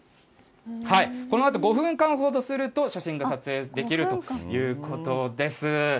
このあと、５分間ほどすると、写真が撮影できるということです。